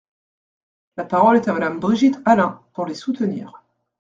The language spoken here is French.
La parole est à Madame Brigitte Allain, pour les soutenir.